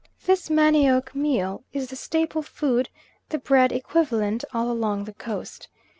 This manioc meal is the staple food, the bread equivalent, all along the coast.